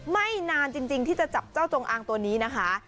ไม่นานจริงที่จะจับเจ้าจงอางตัวนี้นะคะ